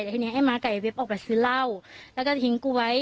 แต่ทีนี้ไอ้ม้าไก่เว็บออกไปซื้อเหล้าแล้วก็ทิ้งกูไว้